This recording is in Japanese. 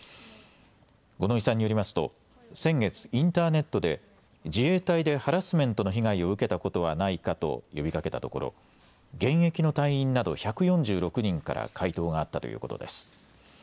五ノ井さんによりますと先月、インターネットで自衛隊でハラスメントの被害を受けたことはないかと呼びかけたところ現役の隊員など１４６人から回答があったということです。